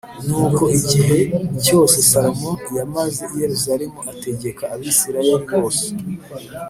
Nuko igihe cyose Salomo yamaze i Yerusalemu ategeka Abisirayeli bose